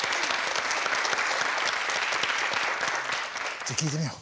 じゃあ聴いてみよう。